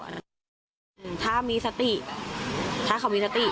อันนี้ถ้ามีสติถ้าเค้ามีสติ